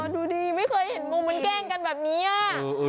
ดูดีไม่เคยเห็นมุมมันแกล้งกันแบบนี้